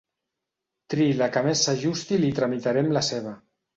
Triï la que més s'ajusti i li tramitarem la seva.